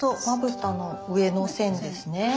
まぶたの上の線ですね。